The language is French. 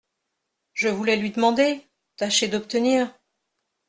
Je voulais lui demander… tâcher d’obtenir…